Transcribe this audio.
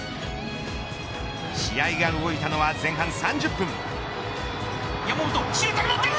試合が動いたのは前半３０分。